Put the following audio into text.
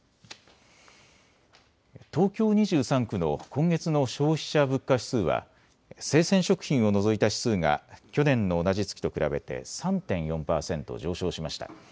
東京２３区の今月の消費者物価指数は生鮮食品を除いた指数が去年の同じ月と比べて３．４％上昇しました。